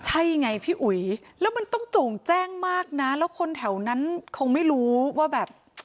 ใช่ไงพี่อุ๋ยแล้วมันต้องโจ่งแจ้งมากนะแล้วคนแถวนั้นคงไม่รู้ว่าแบบ